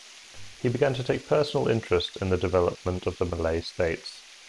He began to take personal interest in the development of the Malay States.